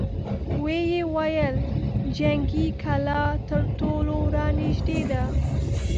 ويې ويل: جنګي کلا تر ټولو را نېږدې ده!